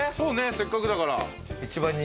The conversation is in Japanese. せっかくだから。